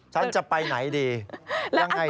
ฉันจะไปไหนดีแล้วอย่างไรดี